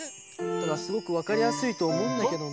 すごくわかりやすいとおもうんだけどな。